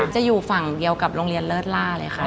จะอยู่ฝั่งเดียวกับโรงเรียนเลิศล่าเลยค่ะ